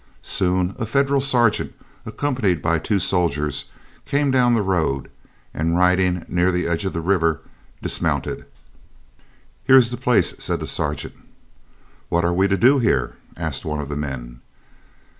Soon a Federal sergeant, accompanied by two soldiers, came down the road, and riding near the edge of the river, dismounted. "Here is the place," said the sergeant. "What are we to do here?" asked one of the men.